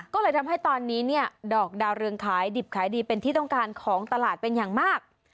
ก็เลยทำให้ตอนนี้เนี่ยดอกดาวเรืองขายดิบขายดีเป็นที่ต้องการของตลาดเป็นอย่างมาก